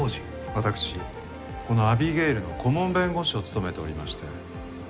私このアビゲイルの顧問弁護士を務めておりまして。